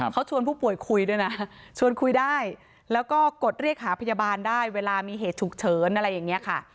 เขาชวนผู้ป่วยคุยด้วยนะชวนคุยได้แล้วก็กดเรียกหาพยาบาลได้เวลามีเหตุฉุกเฉินอะไรอย่างนี้ค่ะ